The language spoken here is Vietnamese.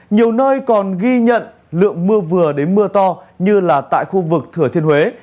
nhiều nơi còn ghi nhận lượng mưa vừa đến mưa to như là tại khu vực thừa thiên huế